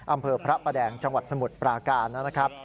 อำเภอพระประแดงจังหวัดสมุทรปราการนะครับ